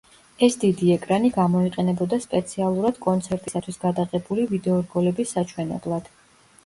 ეს დიდი ეკრანი გამოიყენებოდა სპეციალურად კონცერტისათვის გადაღებული ვიდეორგოლების საჩვენებლად.